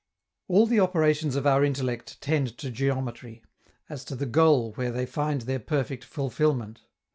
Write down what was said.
All the operations of our intellect tend to geometry, as to the goal where they find their perfect fulfilment.